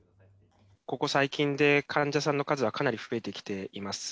ここ最近で、患者さんの数はかなり増えてきています。